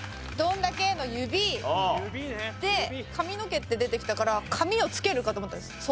「どんだけ」の指。で髪の毛って出てきたから髪を着けるかと思ったんです。